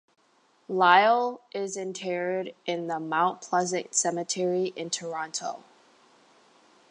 Lyall is interred in the Mount Pleasant Cemetery in Toronto.